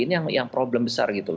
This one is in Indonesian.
ini yang problem besar gitu